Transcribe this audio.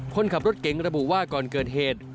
คนขับรถเก๋งระบุว่าก่อนเกิดเหตุ